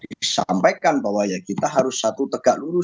disampaikan bahwa ya kita harus satu tegak lurus